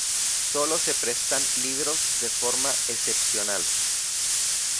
Solo se prestan libros de forma excepcional.